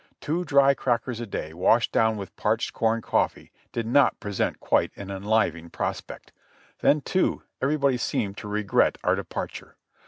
Two dry crackers a day, washed down with parched corn coffee, did not present quite an enlivening prospect ; then, too, everybody seemed to regret our departure.